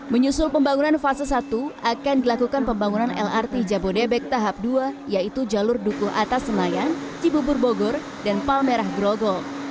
menyusul pembangunan fase satu akan dilakukan pembangunan lrt jabodebek tahap dua yaitu jalur dukuh atas senayan cibubur bogor dan palmerah grogol